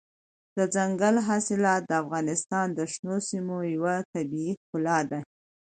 دځنګل حاصلات د افغانستان د شنو سیمو یوه طبیعي ښکلا ده.